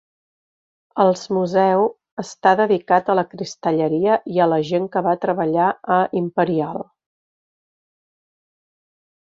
Els museu està dedicat a la cristalleria i a la gent que va treballar a Imperial.